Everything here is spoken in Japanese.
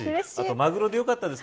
マグロでよかったですか。